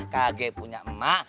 kg punya emak